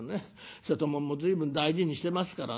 瀬戸物も随分大事にしてますからね